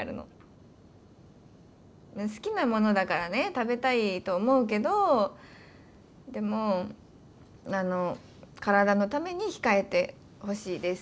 好きなものだからね食べたいと思うけどでも体のために控えてほしいです私は。